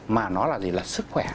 mà nó là gì là sức khỏe